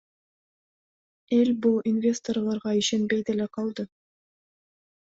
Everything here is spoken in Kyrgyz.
Эл бул инвесторлорго ишенбей деле калды.